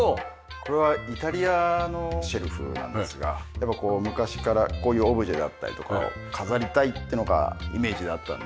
これはイタリアのシェルフなんですがこう昔からこういうオブジェだったりとかを飾りたいっていうのがイメージであったので。